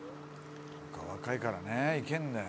若いからねいけんだよ。